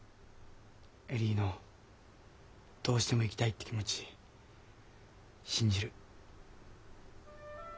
恵里のどうしても行きたいって気持ち信じる。